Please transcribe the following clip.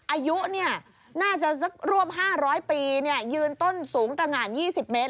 อายุน่าจะสักรวบ๕๐๐ปียืนต้นสูงประมาณ๒๐เมตร